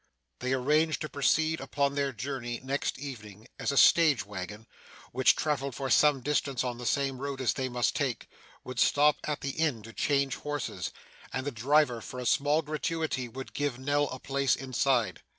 They arranged to proceed upon their journey next evening, as a stage waggon, which travelled for some distance on the same road as they must take, would stop at the inn to change horses, and the driver for a small gratuity would give Nell a place inside.